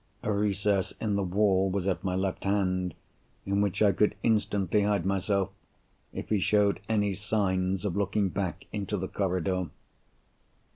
A recess in the wall was at my left hand, in which I could instantly hide myself, if he showed any signs of looking back into the corridor.